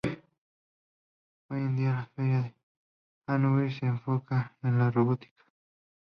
Hoy en día, la Feria de Hannover se enfoca en la robótica.